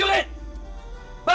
oh saya meluas